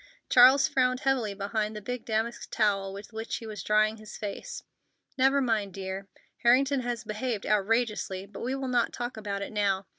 Charles frowned heavily behind the big damask towel with which he was drying his face. "Never mind, dear. Harrington has behaved outrageously, but we will not talk about it now.